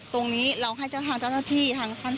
ตรงนี้เราให้เจ้าท่านท่านท่าที่ท่านสารอ่ะ